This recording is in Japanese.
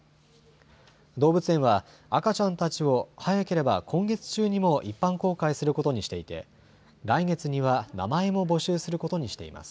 動物園は赤ちゃんたちを早ければ今月中にも一般公開することにしていて、来月には名前も募集することにしています。